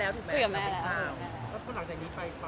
แล้วหลังจากนี้ไปความสำคัญมันจะเหนือเป็นกระดับจากรุ่น